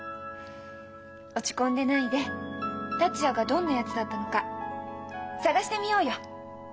落ち込んでないで達也がどんなやつだったのか探してみようよ。